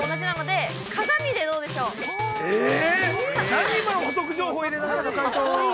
何、今の補足情報入れながらの解答。